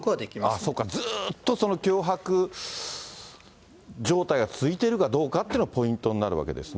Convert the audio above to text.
そっか、ずっと脅迫状態が続いているかどうかというのがポイントになるわけですね。